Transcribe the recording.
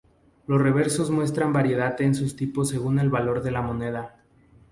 Los reversos muestran variedad en sus tipos según el valor de la moneda.